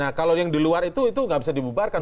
nah kalau yang di luar itu itu nggak bisa dibubarkan